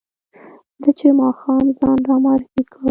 ده چې ماښام ځان را معرفي کړ.